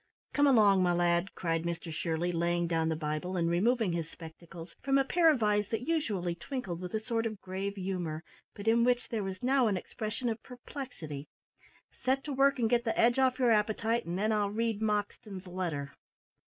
"Come along, my lad," cried Mr Shirley, laying down the Bible, and removing his spectacles from a pair of eyes that usually twinkled with a sort of grave humour, but in which there was now an expression of perplexity; "set to work and get the edge off your appetite, and then I'll read Moxton's letter."